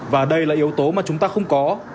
và đây là yếu tố mà chúng ta không có